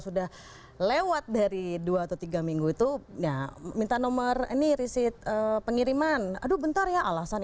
sudah lewat dari dua atau tiga minggu itu ya minta nomor ini riset pengiriman aduh bentar ya alasan